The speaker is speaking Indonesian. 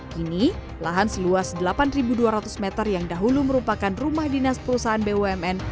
kini lahan seluas delapan dua ratus meter yang dahulu merupakan rumah dinas perusahaan bumn